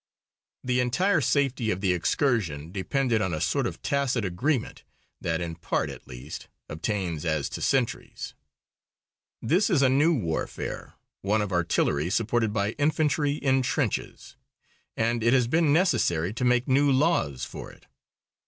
The entire safety of the excursion depended on a sort of tacit agreement that, in part at least, obtains as to sentries. This is a new warfare, one of artillery, supported by infantry in trenches. And it has been necessary to make new laws for it.